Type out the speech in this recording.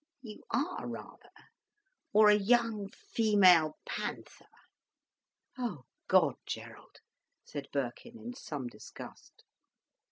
"You are, rather; or a young, female panther." "Oh God, Gerald!" said Birkin, in some disgust.